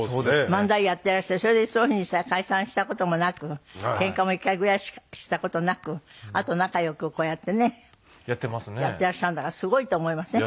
漫才をやっていらしてそれでそういうふうにさ解散した事もなくケンカも一回ぐらいしかした事なくあと仲良くこうやってねやっていらっしゃるんだからすごいと思いません？